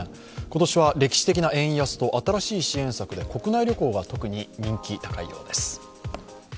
今年は歴史的な円安と新しい支援策で国内旅行が特に人気、高いようです。